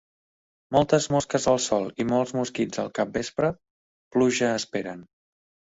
Moltes mosques al sol i molts mosquits al capvespre, pluja esperen.